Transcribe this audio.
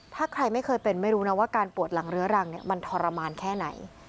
ถ้าใครไม่เคยเป็นไม่รู้นะว่าการปวดหลังเรื้อรังมันทรมานแค่ไหน